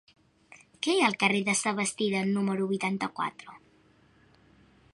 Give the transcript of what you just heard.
Què hi ha al carrer de Sabastida número vuitanta-quatre?